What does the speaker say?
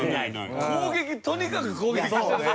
攻撃とにかく攻撃。